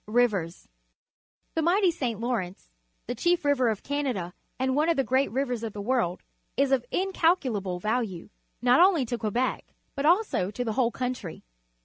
Rivers. — The mighty St. Lawrence, the chief river of Canada and one of the great rivers of the world, is of incalculable value, not only to Quebec but also to the whole country.